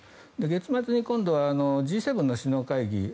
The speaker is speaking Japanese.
月末に今度はＧ７の首脳会議